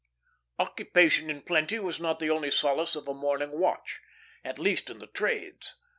Occupation in plenty was not the only solace of a morning watch; at least in the trades.